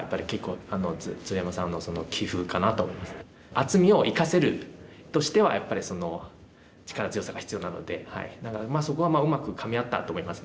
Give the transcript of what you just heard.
厚みを生かせるとしてはやっぱり力強さが必要なのでだからそこはうまくかみ合ったと思います